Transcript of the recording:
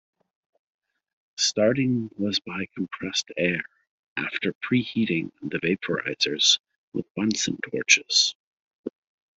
Starting was by compressed air after pre-heating the vaporisers with bunsen torches.